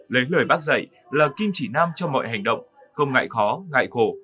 lấy lời bác dạy là kim chỉ nam cho mọi hành động không ngại khó ngại khổ